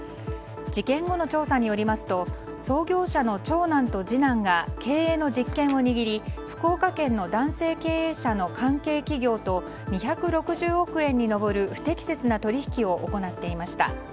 事件後の調査によりますと創業者の長男と次男が経営の実権を握り福岡県の男性経営者の関係企業と、２６０億円に上る不適切な取引を行っていました。